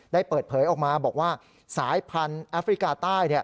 ได้เปิดเผยออกมาบอกว่าสายพันธุ์แอฟริกาใต้